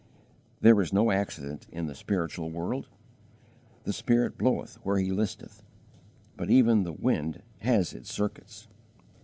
There is no accident in the spiritual world. "The Spirit bloweth where He listeth," but even the wind has its circuits.